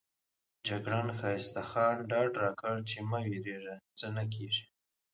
جګړن ښایسته خان ډاډ راکړ چې مه وېرېږئ څه نه کېږي.